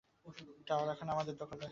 Tower এখন আমাদের দখলে।